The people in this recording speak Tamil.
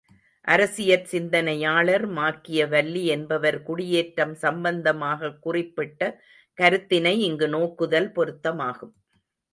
அரசியற் சிந்தனையாளர் மாக்கியவல்லி என்பவர் குடியேற்றம் சம்பந்தமாகக் குறிப்பிட்ட கருத்தினை இங்கு நோக்குதல் பொருத்தமாகும்.